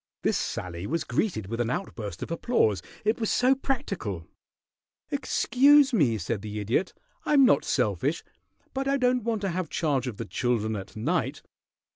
This sally was greeted with an outburst of applause, it was so practical. "Excuse me!" said the Idiot. "I'm not selfish, but I don't want to have charge of the children at night.